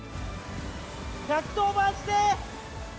１１０番して！